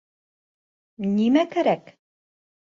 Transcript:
Нимә кәрәк?